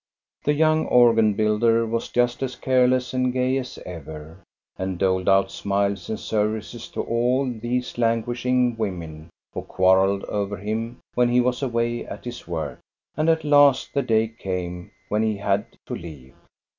The young organ builder was just as careless and gay as ever, and doled out smiles and services to all these languishing women, who quarrelled over him when he was away at his work. And at last the day came when he had to leave.